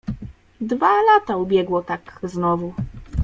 "Dwa lata ubiegło tak znowu."